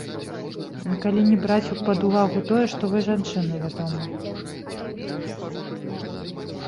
Калі не браць пад увагу тое, што вы жанчына, вядома.